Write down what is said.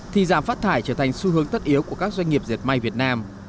thì giảm phát thải trở thành xu hướng tất yếu của các doanh nghiệp diệt may việt nam